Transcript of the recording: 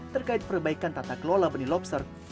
terkait perbaikan tata kelola benih lobster